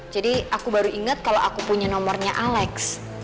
jadi aku baru ingat kalau aku punya nomornya alex